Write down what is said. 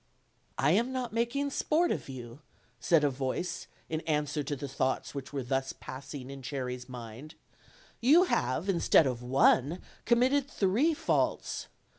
"I am not making sport of you," said a voice in an swer to the thoughts which were thus passing in Cherry's mind; "you have, instead of one, committed three faults.